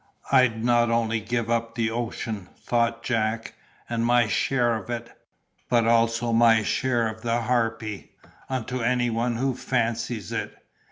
"I'd not only give up the ocean," thought Jack, "and my share of it, but also my share of the Harpy, unto any one who fancies it.